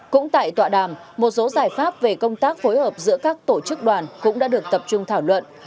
cũng tại tọa đàm một số giải pháp về công tác phối hợp giữa các tổ chức đoàn cũng đã được tập trung thảo luận